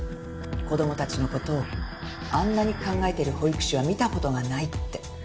子供たちの事をあんなに考えている保育士は見た事がないって。